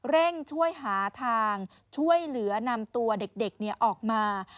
เร่งช่วยหาทางช่วยเหลือนำตัวเด็กออกมา